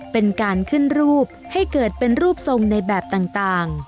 เป็นการขึ้นรูปให้เกิดเป็นรูปทรงในแบบต่าง